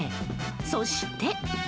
そして。